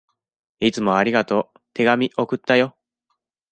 いつもありがとう。手紙、送ったよ。